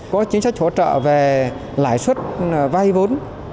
có chính sách hỗ trợ về lãi suất vay vốn